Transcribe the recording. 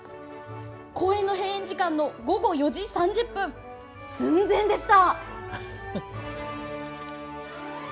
公園の閉園時間の午後４時３０分寸前でした。